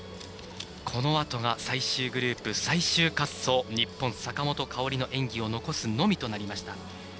このあとが最終グループ最終滑走日本、坂本花織の演技を残すのみとなりました。